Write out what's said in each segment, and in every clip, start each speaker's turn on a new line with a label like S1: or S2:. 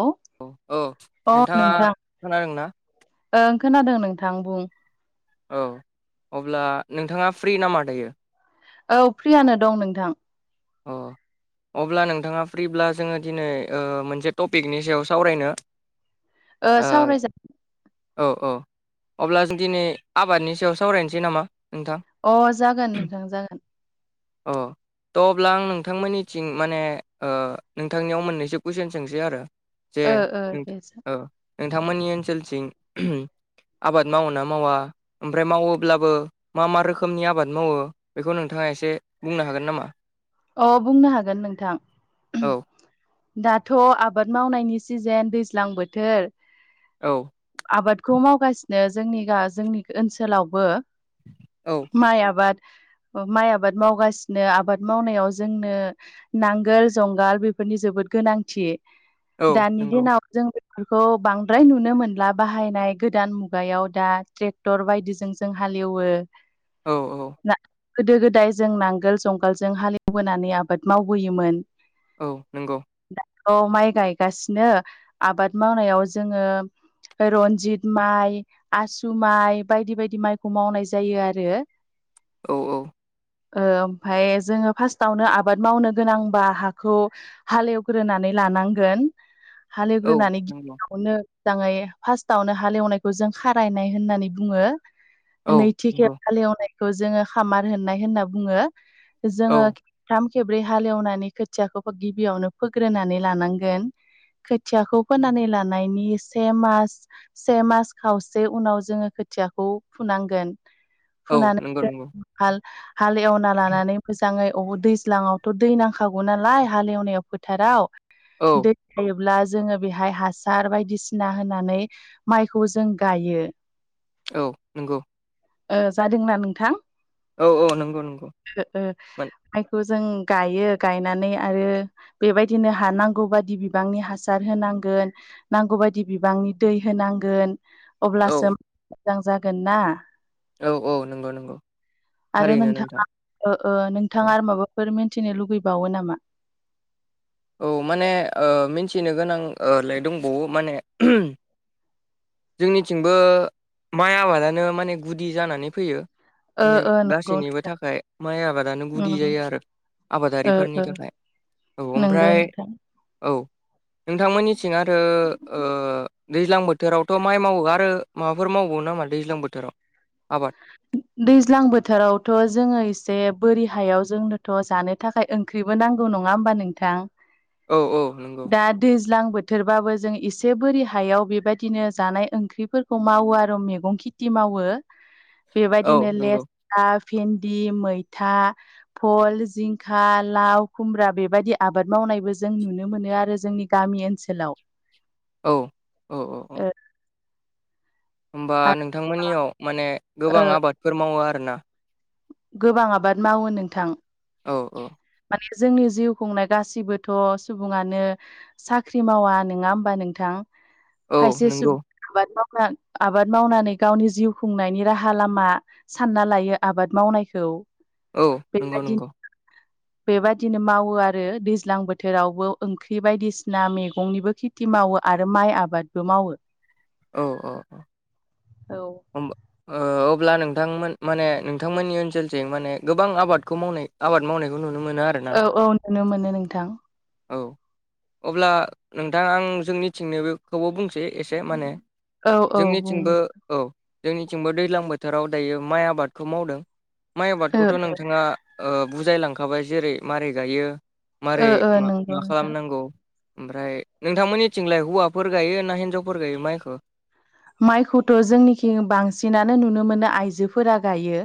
S1: औ
S2: औ-औ
S1: अ
S2: नोंथाङा
S1: नोंथां
S2: खोनादोंना
S1: ओं खोनादों नोंथां बुं
S2: औ अब्ला नोंथाङा फ्रिनामा दायो
S1: औ फ्रियानो दं नोंथां।
S2: अ अब्ला नोंथाङा फ्रि ब्ला जोङो दिनै ओ मोनसे टपिकनि सायाव सावरायनो।
S1: ओ
S2: [inaudible] आ [inaudible]
S1: सावरायजा
S2: औ-औ अब्ला जों दिनै आबादनि सायाव सावरायनोसै नामा नोंथां
S1: अ जागोन नोंथां जागोन
S2: अ। थ' अब्ला आं नोंथांमोननिथिं माने ओ नोंथांनियाव मोननैसो कुइसन सोंसै आरो। जे
S1: ओ ओ
S2: नों
S1: दे
S2: औ नोंथांमोननि ओनसोलथिं आबाद मावोना मावा ओमफ्राय मावोब्लाबो मा मा रोखोमनि आबाद मावो बेखौ नोंथाङा एसे बुंनो हागोन नामा
S1: अ बुंनो हागोन नोंथां
S2: औ
S1: दाथ' आबाद मावनायनि सिजेन दैज्लां बोथोर
S2: औ
S1: आबादखौ मावगासिनो जोंनि गा जोंनि ओनसोलावबो
S2: औ
S1: माइ आबाद माइ आबाद मावगासिनो आबाद मावनायाव जोंनो नांगोल जंगाल बेफोरनि जोबोद गोनांथि
S2: औ
S1: दानि
S2: नंगौ
S1: दिनाव जों बेफोरखौ बांद्राय नुनो मोनला बाहायनाय गोदान मुगायाव दा ट्रेक्टर बायदिजों जों हाले एवो
S2: औ औ
S1: गोदो गोदाय जों नांगोल जुंगालजों हाले एवबोनानै आबाद मावबोयोमोन
S2: औ नंगौ
S1: दा अ माइ गायगासिनो आबाद मावनायाव जोङो रनजित माइ आसु माइ बायदि बायदि माइखौ मावनाय जायो आरो
S2: औ-औ
S1: ओ ओमफ्राय जोङो फार्स्टावनो आबाद मावनो गोनांबा हाखौ हाले एवग्रोनानै लानांगोन हाले
S2: औ
S1: एवग्रोनानै
S2: नंगौ
S1: गिबियावनो मोजाङै फार्स्टावनो हालेवनायखौ जों खारायनाय होननानै बुङो
S2: औ
S1: नैथि खेब
S2: नंगौ
S1: हाले एवनायखौ जोङो खामार होननाय होनना बुङो
S2: औ
S1: जोङो थाम खेब्रै हालेवनानै खोथियाखौ गिबियावनो फोग्रोनानै लानांगोन खोथियाखौ फोनानै लानायनि से मास से मास खावसे उनाव जोङो खोथियाखौ फुनांगोन
S2: औ नंगौ
S1: फुनानै
S2: नंगौ
S1: हाल एवना लानानै मोजाङैब दैज्लाङाव थ' दै नांखागौ नालाय हाले एवनायाव फोथाराव
S2: औ
S1: दै थायोब्ला जोङो बेहाय हासार बायदिसिना होनानै माइखौ जों गायो
S2: औ नंगौ
S1: ओ जादोंना नोंथां
S2: औ-औ नंगौ नंगौ
S1: ओ
S2: मोन
S1: माइखौ जों गायो गायनानै आरो बेबायदिनो हा हानांगौ बायदि बिबांनि हासार होनांगोन नांगौ बादि बिबांनि दै होनांगोन
S2: औ
S1: अब्लासो मोजां जागोन ना
S2: औ औ नंगौ नंगौ
S1: आरो
S2: थारैनो
S1: नोंथाङा
S2: नोंथां
S1: ओ ओ
S2: औ
S1: नोंथाङा आर माबाफोर मिन्थिनो लुगैबावो नामा
S2: औ माने ओ मिन्थिनो गोनांलाय दंबावो माने जोंनिथिंबो माइ आबादानो माने गुदि जानानै फैयो
S1: ओ
S2: माने
S1: ओ नंगौ
S2: गासैनिबो थाखाय माइ आबादानो गुदि
S1: उम
S2: जायो आरो आबादारिफोरनि थाखाय औ
S1: नोंगो
S2: ओमफ्राय
S1: नोंथां
S2: औ नोंथांमोननिथिं आरो दैज्लां बोथोरावथ' माइ मावो आरो माबाफोर मावबावो नामा दैज्लां बोथोराव आबाद
S1: दैज्लां बोथोरावथ' जोङो एसे बोरि हायाव जोंनोथ' जानो थाखाय ओंख्रिबो नांगौ नङा होमबा नोंथां
S2: औ औ नंगौ
S1: दा दैज्लां बो थोरबाबो जों एसे बोरि हायाव बेबादिनो जानाय ओंख्रिफोरखौ मावो आरो मेगं खिथि मावो
S2: औ
S1: बेबायदिनो
S2: नंगौ
S1: लेस्रा भेन्दि मैथा फल जिंखा लाव खुमब्रा बेबायदि आबाद मावनायबो जों नुनो मोनो आरो जोंनि गामि ओनसोलाव
S2: औ औ औ औ
S1: ओ
S2: होनबा
S1: आरो
S2: नोंथांमोननियाव माने
S1: ओ
S2: गोबां आबादफोर मावो आरोना
S1: गोबां आबाद मावो नोंथां
S2: औ औ
S1: माने जोंनि जिउ खुंनाय गासिबोथ' सुबुङानो साख्रि मावा नङा होमबा नोंथां
S2: औ
S1: खायसे सु
S2: नंगौ
S1: आबाद मावना आबाद मावनानै गावनि जिउ खुंनायनि राहा लामा सानना लायो आबाद मावनायखौ
S2: औ नंगौ नंगौ
S1: बेबायाददिनो मावो आरो दैज्लां बोथोरावबो ओंख्रि बायदिसिना मेगंनिबो खि थि मावो आरो माइ आबादबो मावो
S2: औ औ औ
S1: औ
S2: होमबा ओ ओ अब्ला नोंथांमोन माने नोंथांमोननि ओनसोलजों माने गोबां आबादखौ मावनाय आबाद मावनायखौ नुनो मोनो आरो
S1: औ औ नुनो मोनो नोंथां
S2: औ अब्ला नोंथां आं जोंनिथिंनि बेखौबो बुंसै एसे माने
S1: औ औ बुं
S2: जोंनिथिंबो औ जोंनिथिंबो दैज्लां बोथोराव दायो माइ आबादखौ मावदों माइ
S1: ओ
S2: आबादखौथ' नोंथाङा बुजायलांखाबाय जेरै मारै गायो
S1: ओ
S2: मारै
S1: ओ
S2: मा
S1: नंगौ नोंथां
S2: नांगौ ओमफ्राय नोंथांमोननिथिंलाय हौवाफोर गायो ना हिनजावफोर गायो माइखौ
S1: माइखौथ' जोंनिखि बांसिनानो नुनो मोनो आइजोफोरा गायो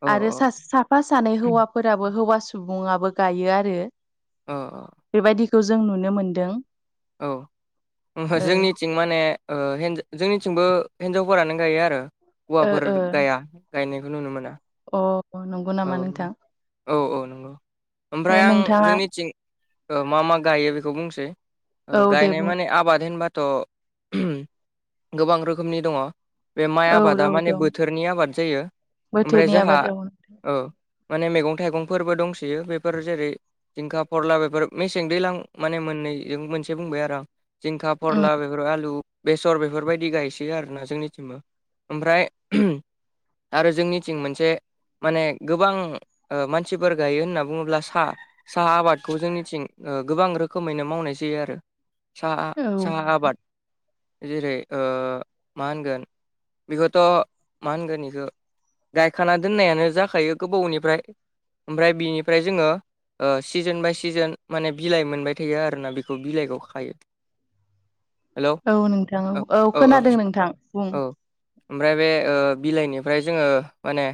S2: अ
S1: आरो सास साफा सानै हौवाफोराबो हौवा सुबुंआबो गायो आरो
S2: अ अ
S1: बेबायदिखौ जों नुनो मोनदों
S2: औ ओहो
S1: ओ
S2: जोंनि थिं माने ओ हिन जोंनिथिंबो हिन्जावफोरानो गायो आरो हौवाफोर
S1: ओ
S2: गाया गायनायखौ नुनो मोना
S1: अ नंगौ
S2: औ
S1: नामा नोंथां
S2: औ औ नंगौ
S1: दे
S2: ओमफ्राय आं
S1: नोंथाङा
S2: जोंनिथिं ओ मा मा गायो बेखौ बुंसै ओ
S1: औ दे
S2: गायनाय
S1: बुं
S2: माने आबाद होनबाथ' [unintelligible] गोबां रोखोमनि दङ बे माइ
S1: औ
S2: आबादा
S1: औ
S2: माने
S1: दं
S2: बोथोरनि आबाद जायो ओमफ्राय
S1: बोथोरनि
S2: जोहा
S1: आबाद औ
S2: ओ माने मैगं थाइगंफोरबो दंसोयो बेफोर जेरै जिंखा फरला बेफोर मेसें दैलां माने मोननैजों मोनसे बुंबाय आरो आं जिंखा
S1: उम
S2: फोरला बेफोर आलु बेसर बेफोरबायदि गायसै आरोना जोंनिथिंबो ओमफ्राय आरो जोंनिथिं मोनसे माने गोबां ओ मानसिफोर गायो होनना बुङोब्ला सा साहा आबादखौ जोंनिथिं ओ गोबां रोखोमैनो मावनाय जायो आरो साहा
S1: औ
S2: साहा आबाद जेरै ओ मा होनगोन बेखौथ' मा होनगोन इखो गायखाना दोननायानो जाखायो गोबावनिफ्राय ओमफ्राय बिनिफ्राय जोङो ओ सिजोन बाय सिजोन माने बिलाइ मोनबाय थायो आरोना बेखौ बिलाइखौ खायो [inaudible]
S1: औ नोंथां औ औ खोनादों नोंथां बुं
S2: औ ओमफ्राय बे ओ बिलाइनिफ्राय जोङो माने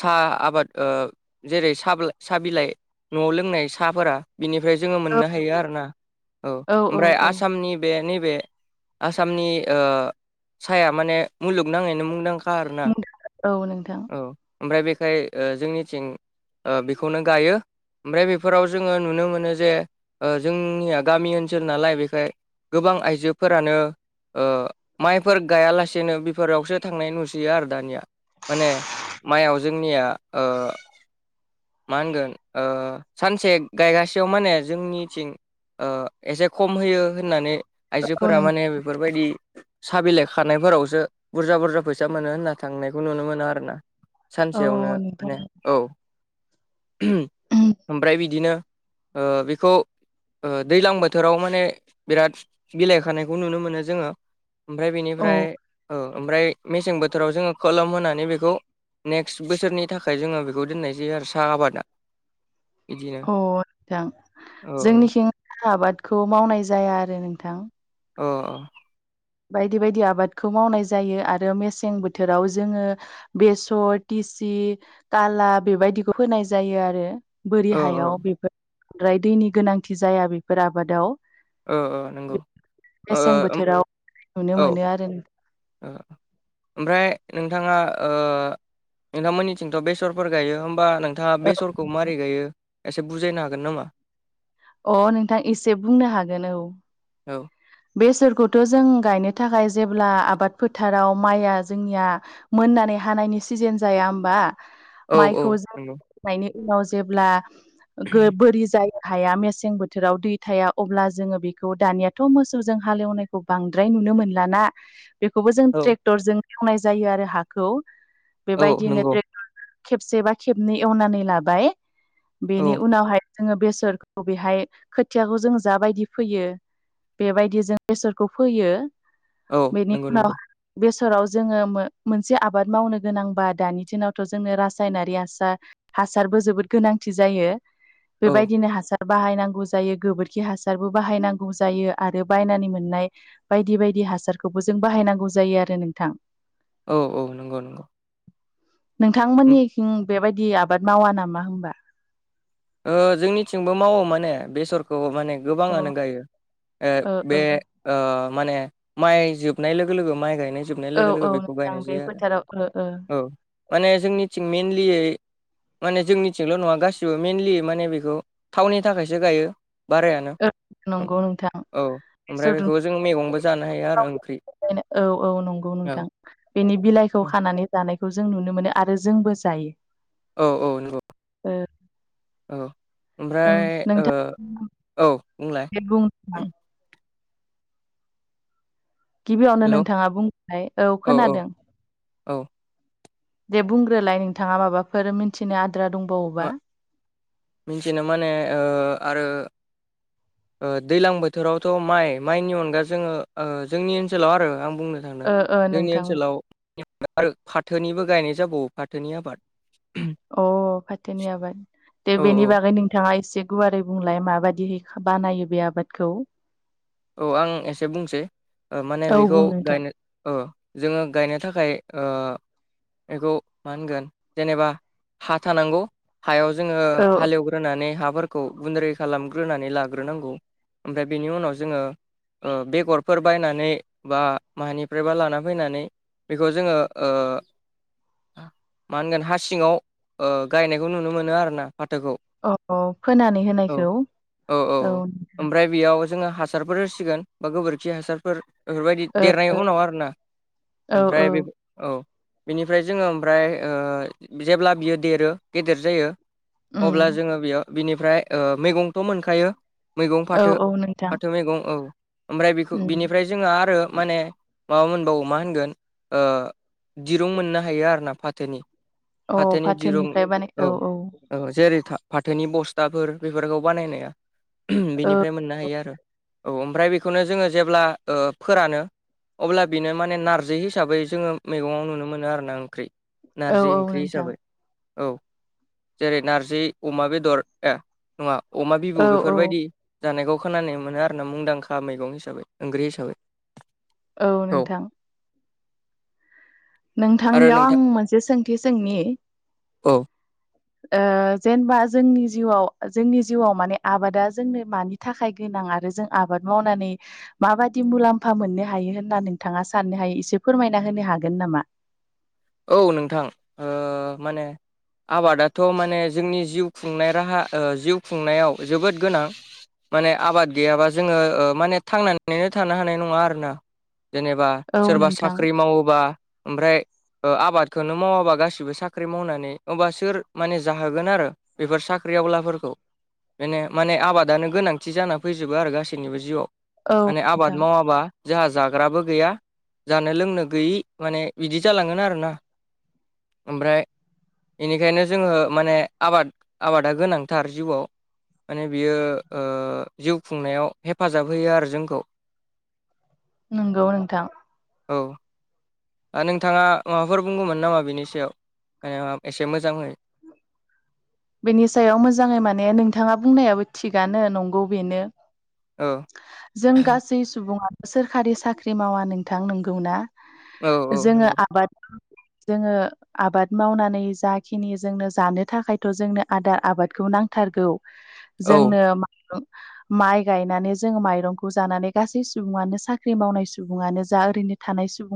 S2: साहा आबाद ओ जेरै साहा बिलाइ न'आव लोंनाय साहाफोरा बिनिफ्राय जोङो
S1: औ
S2: मोननो हायो आरो ना औ
S1: औ
S2: ओमफ्राय आसामनि बे नैबे आसामनि ओ साया माने मुलुगनाङैनो मुंदांखा आरो
S1: औ नोंथां
S2: औ ओमफ्राय बेखाय ओ जोंनिथिं ओ बेखौनो गायो ओमफ्राय बेफोराव जोङो नुनो मोनो जे ओ जोंनिया गामि ओनसोल नालाय बेखाय गोबां आइजोफोरानो ओ माइफोर गायालासेनो बेफोरावसो थांनाय नुसै आरो दानिया माने माइआव जोंनिया ओ मा होनगोन ओ सानसे गायगासेयाव माने जोंनिथिं एसे खम होयो होननानै
S1: औ
S2: आइजोफोरा
S1: नों
S2: माने बेफोरबायदि सा बिलाइ खानायफोरावसो बुरजा बुरजा फैसा मोनो होनना थांनायखौ नुनो मोनो आरोना
S1: औ
S2: सानसेयावनो
S1: नोंथां
S2: माने औ ओमफ्राय बिदिनो ओ बेखौ ओ दैलां बोथोराव माने बिराद बिलाइ खानायखौ नुनो मोनो जोङो ओमफ्राय
S1: औ
S2: बेनिफ्राय औ ओमफ्राय मेसें बोथोराव जोङो खोलोम होनानै बेखौ नेक्स्ट बोसोरनि थाखाय जोङो बेखौ दोननाय जायो आरो साहा आबादा बिदिनो
S1: अ नोंथां
S2: औ औ
S1: जोंनिथिं साहा आबादखौ मावनाय जाया आरो नोंथां
S2: अ
S1: बायदि बायदि आबादखौ मावनाय जायो आरो मेसें बोथोराव जोङो बेसर टिसि काला बेबायदिखौ होनाय जायो आरो बोरि
S2: औ
S1: हायाव बेफोर बांद्राय दैनि गोनांथि जाया बेफोर आबादाव
S2: ओ ओ नंगौ ओ ओ
S1: मेसें
S2: उम
S1: बोथोराव नुनो
S2: औ
S1: मोनो आरो
S2: ओ ओमफ्राय नोंथाङा ओ नोंथांमोननिथिंथ' बेसरफोर गायो होम बा नोंथाङा बेसरखौ मारै गायो एसे बुजायनो हागोन नामा?
S1: अ नोंथां एसे बुंनो हागोन औ
S2: औ
S1: बेसरखौथ' जों गायनो थाखाय जेब्ला आबाद फोथाराव माइया जोंनिया मोननानै हानायनि सिजेन जाया होमबा
S2: औ औ
S1: माइखौ
S2: नंगौ
S1: जोंनायनि उनाव जेब्ला बोरि जायो हाया मेसें बोथोराव दै थाया अब्ला जोङो बेखौ दानियाथ' मो सौजों हालेवनायखौ बांद्राय नुनो मोनला ना बेखौबो जों
S2: औ
S1: ट्रेक्टर जों मावनाय जायो आरो हाखौ
S2: औ
S1: बेबायदिनो
S2: नंगौ
S1: ट्रे [unintelligible] खेबसे बा खेबनै एवनानै लाबाय बेनि
S2: औ
S1: उनावहाय जोङो बेसरखौ बेहाय खोथियाखौ जों जा बायदि फोयो। बेबायदि जों इसोरखौ फैयो
S2: औ
S1: बेनि
S2: नंगौ
S1: उनाव
S2: नंगौ
S1: बेसराव जोङो मो-मोनसे आबाद मावनो गोनांबा दानि दिनावथ' जोंनो रासायनारि हासार हासारबो जोबोद गोनांथि जायो।
S2: औ
S1: बेबायदिनो हासार बाहायनांगौ जायो गोबोरखि हासारबो बाहायनांगौ जायो। आरो बायनानै मोननाय बायदि बायदि हासारखौबो जों बाहायनांगौ जायो आरो नोंथां।
S2: औ औ। नंगौ नंगौ
S1: [inaudible]
S2: उम
S1: नोंथांमोननिथिं बेबायदि आबाद मावा नामा होमबा?
S2: ओ जोंनिथिंबो मावो माने बेसरखौ माने
S1: अ
S2: गोबाङानो गायो। ओ बे ओ माने माइ जोबनाय लोगो लोगो माइ गायनाय जोबनाय
S1: औ
S2: लोगो लोगो
S1: औ
S2: बेखौ
S1: नोंथां
S2: बायनाय
S1: बे
S2: जायो आरो।
S1: फोथाराव ओ ओ
S2: औ। माने जोंनिथिं मइेनलि माने जोंनिथिंल' नङा गासिबो मेनलि माने बेखौ थावनि थाखायसो गायो बारायानो।
S1: ओ नंगौ नोंथां
S2: औ ओमफ्राय
S1: बेसर
S2: बेखौबो जों मैगंबो जानो हायो आरो ओंख्रि।
S1: बे औ औ नंगौ
S2: औ
S1: नोंथां। बेनि बिलाइखौ
S2: औ
S1: खानानै जानायखौ जों नुनो मोनो आरो जोंबो जायो।
S2: औ औ नंगौ [inaudible] औ।
S1: ओ
S2: ओमफ्राय ओ
S1: नोंथां
S2: औ बुंलाय।
S1: आ। गिबियावनो
S2: हेलौ
S1: नोंथाङा बुंलाय औ खोनादों।
S2: औ
S1: [inaudible] दे बुंग्रोलाय नोंथाङा माबाफोर मिथिनो आद्रा दंबावोबा।
S2: बुंथिनो माने ओ आरो ओ दैलां बोथोरावथ' माइ माइनि अनगा जोङो ओ जोंनि ओनसोलाव आरो आं बुंनो
S1: ओ
S2: [unintelligible]
S1: ओ
S2: जोंनि
S1: नोंथां
S2: ओनसोलाव आरो फाथोनिबो गायनाय जाबावो फाथोनि आबाद।
S1: अ फाथोनि आबाद दे
S2: औ
S1: बेनि
S2: औ
S1: बा ओफ्राय नोंथाङा एसे गुवारै बुंलाय माबायदिहै बानायो बे आबादखौ।
S2: औ आं एसे बुंसै ओ माने
S1: औ
S2: बेखौ
S1: बुं नोंथां
S2: गायनो औ जोङो गायनो थाखाय ओ बेखौ मा होनगोन जेनेबा हा थानांगौ हायाव जोङो
S1: औ
S2: हालेवग होनानै हाफोरखौ गुन्द्रै खालामग्रोनानै लाग्रोनांगौ। ओमफ्राय बेनि उनाव ज जोङो ओ बेगरफोर बायनानै बा मानिफ्रायबा लाना फैनानै बेखौ जोङो ओ मा होनगोन हा सिङाव ओ गायनायखौ नुनो मोनो आरोना फाथोखौ।
S1: अ फोनानै
S2: औ
S1: होनायखौ [inaudible] औ।
S2: ओमफ्राय बेयाव जोङो हासारफोर होसिगोन बा गोबोरखि हासारफोर बेफोरबायदि देरनायनि उनाव आरोना।
S1: ओ औ औ
S2: ओमफ्राय बे औ बेनिफ्राय जोङो ओमफ्राय जेब्ला बियो देरो गेदेर जायो। अब्ला
S1: उम
S2: जोङो बेयाव बिनिफ्राय ओ मैगंथ' मोनखायो।
S1: औ औ नोंथां।
S2: फाथौ मैगं औ ओमफ्राय बिखौ
S1: उम
S2: बिनिफ्राय जोंहा आरो माने माबा मोनबावो मा होनगोन। दिरुं मोननो हायो आरोना फाथोनि।
S1: औ
S2: फाथोनि दिरुं
S1: फाथोनिफ्राय बानाय औ औ।
S2: औ जेरै फा-फाथोनि बस्थाफोर बेफोरखौ बानायनाया।
S1: औ
S2: बेनिफ्राय मोननो हायो आरो। औ ओमफ्राय बेखौनो जोङो जेब्ला फोरानो। अब्ला बेनो माने नारजि हिसाबै जोङो मैगङाव नुनो मोनो आरोना ओंख्रि।
S1: औ
S2: नारजि
S1: औ
S2: ओंख्रि
S1: नोंथां
S2: हिसाबै [inaudible] औ जेरै नारजि अमा बेदर ए नङा अमा बिबु
S1: औ औ
S2: बेफोरबायदि जानायखौ खोनानानै मोनो आरोना मुंदांखा मैगं हिसाबै ओंख्रि हिसाबै।
S1: औ नोंथां।
S2: आरो
S1: नोंथांनियाव आं
S2: नोंथां
S1: मोनसे सोंथि सोंनि।
S2: औ
S1: ओ जेनेबा जोंनि जिउआव जोंनि जिउआव माने आबादा जोंनो मानि थाखाय गोनां आरो जों आबाद मावनानै माबादि मुलाम्फा मोननो हायो होनना नोंथाङा साननो हायो एसे फोरमायना होनो हागोन नामा?
S2: औ नोंथां माने आबादाथ' माने जोंनि जिउ खुंनाय राहा जिउ खुंनायाव जोबोद गोनां। माने आबाद गैयाबा जोङो माने थांनानैनो थानो हानाय नङा आरोना जेनेबा
S1: औ
S2: सोरबा
S1: नोंथां
S2: साख्रि मावोबा ओमफ्राय आबादखौनो मावाबा गासिबो साख्रि मावनानै होमब्ला सोर माने जाहोगोन आरो बेफोर साख्रिआवलाफोरखौ बेनो माने आबादानो गोनांथि जाना फैजोबो आरो गासैनिबो जिउआव
S1: औ
S2: माने
S1: नोंथां
S2: आबाद मावाबा जोंहा जाग्राबो गैया जानो लोंनो गैयि माने बिदि जालांगोन आरो ना ओमफ्राय बेनिखायनो जोङो माने आबाद आबादा गोनांथार जिउआव माने बियो जिउ खुंनायाव हेफाजाब होयो आरो जोंखौ। [inaudible]
S1: नंगौ नोंथां।
S2: औ नोंथाङा माबाफोर बुंगौमोन नामा बिनि सायाव मे एसे मोजां हो
S1: बेनि सायाव मोजाङै माने नोंथाङा बुंनायाबो थिगानो नंगौ बेनो
S2: औ
S1: जों गासै सुबुङानो सोरखारि साख्रि मावा नोंथां नंगौ ना?
S2: औ औ
S1: जोङो
S2: नंगौ
S1: आबाद जोङो आबाद मावनानै जाखिनि जोंनो जानो थाखाय- थ' जोंनो आदार आबादखौ नांथारगौ
S2: औ
S1: जोंनो माइ गायनानै जोङो माइरंखौ जानानै गासै सुबुङानो साख्रि मावनाय सुबुङानो जा ओरैनो थानाय सुबुं